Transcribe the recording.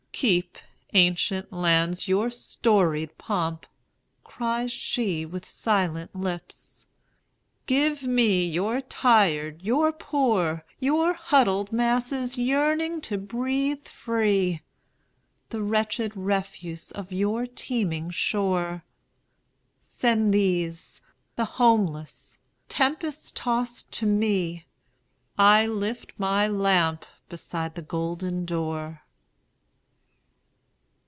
"Keep, ancient lands, your storied pomp!" cries sheWith silent lips. "Give me your tired, your poor, Your huddled masses yearning to breathe free, The wretched refuse of your teeming shore. Send these, the homeless, tempest tost to me,I lift my lamp beside the golden door!"